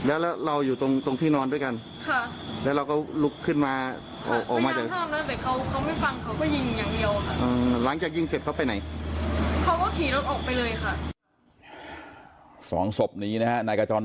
อาการสาหัสอยู่ก็ร้องตะโกนให้คนที่เข้าเวรที่ปั๊มเนี่ยมาช่วย